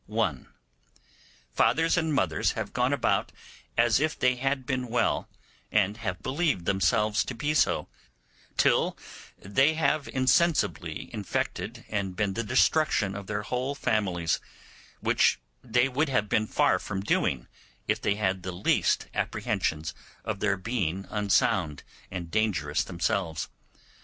(1) Fathers and mothers have gone about as if they had been well, and have believed themselves to be so, till they have insensibly infected and been the destruction of their whole families, which they would have been far from doing if they had the least apprehensions of their being unsound and dangerous themselves.